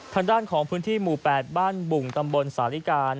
ทางด้านของพื้นที่หมู่๘บ้านบุ่งตำบลสาธิการ